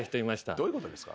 どういうことですか？